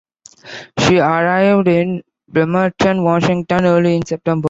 She arrived in Bremerton, Washington, early in September.